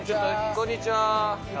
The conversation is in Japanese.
こんにちは。